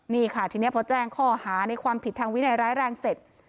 นี่ค่ะทีนี้พอแจ้งข้อหาในความผิดทางวินัยร้ายแรงเสร็จ